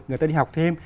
người ta đi học thêm